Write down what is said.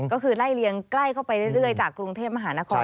ก็คือไล่เลียงใกล้เข้าไปเรื่อยจากกรุงเทพมหานคร